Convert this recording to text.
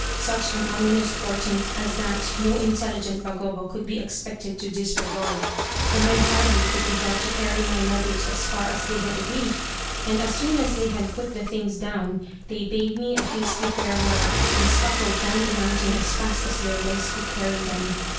Such an ominous portent as that no intelligent Bagabo could be expected to disregard. The men hardly could be got to carry my luggage as far as they had agreed, and as soon as they had put the things down, they bade me a hasty farewell and scuttled down the mountain as fast as their legs could carry them.